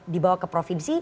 dibawa ke provinsi